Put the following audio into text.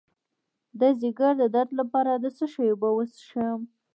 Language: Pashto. د ځیګر د درد لپاره د څه شي اوبه وڅښم؟